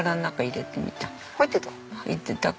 入ってた？